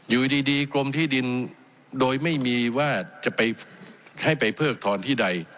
อยู่ดีกรมที่ดินโดยไม่มีว่าจะไปให้ไปเพิกถอนที่ใด